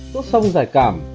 sốt xong giải cảm